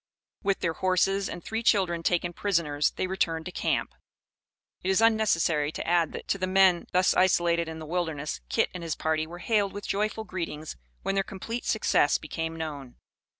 With their horses, and three children taken prisoners, they returned to camp. It is unnecessary to add that, to men thus isolated in the wilderness, Kit and his party were hailed with joyful greetings when their complete success became known.